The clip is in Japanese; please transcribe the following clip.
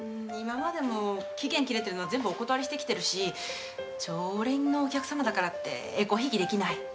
今までも期限きれてるの全部お断りしてきてるし常連のお客さまだからってえこひいきできない。